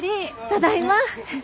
ただいま！